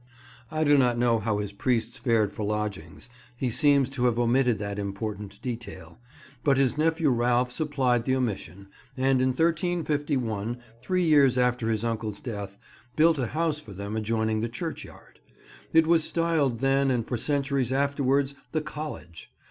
I do not know how his priests fared for lodgings. He seems to have omitted that important detail. But his nephew Ralph supplied the omission, and, in 1351, three years after his uncle's death, built a house for them adjoining the churchyard. It was styled then and for centuries afterwards "the College."